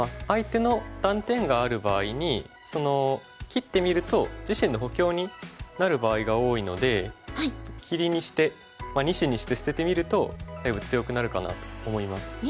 相手の断点がある場合に切ってみると自身の補強になる場合が多いので切りにして２子にして捨ててみるとだいぶ強くなるかなと思います。